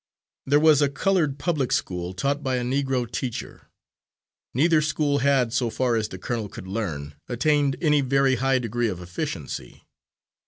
There was a coloured public school taught by a Negro teacher. Neither school had, so far as the colonel could learn, attained any very high degree of efficiency.